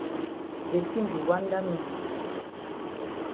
De tin di wanda me.